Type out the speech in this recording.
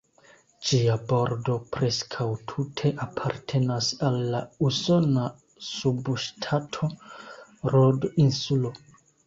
Ĝia bordo preskaŭ tute apartenas al la usona subŝtato Rod-Insulo.